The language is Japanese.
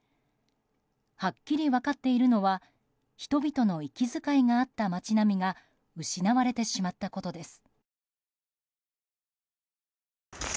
はっきり分かっているのは人々の息遣いがあった街並みが失われてしまったことです。